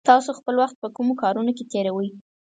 تاسې خپل وخت په کومو کارونو کې تېروئ؟